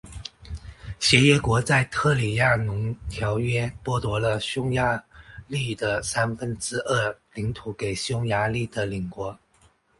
协约国在特里亚农条约剥夺了匈牙利的三分之二领土给匈牙利的邻国。